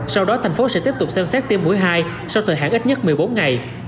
sau đó thành phố sẽ tiếp tục xem xét tiêm mũi hai sau thời hạn ít nhất một mươi bốn ngày